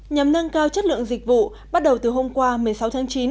nhằm nâng cao chất lượng dịch vụ bắt đầu từ hôm qua một mươi sáu tháng chín